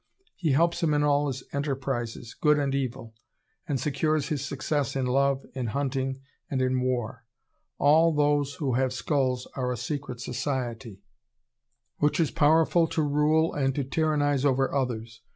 He helps him in all his enterprises, good and evil, and secures his success in love, in hunting, and in war. All those who have skulls are a secret society, which is powerful to rule and to tyrannize over others.